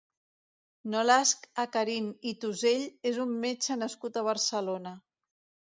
Nolasc Acarín i Tusell és un metge nascut a Barcelona.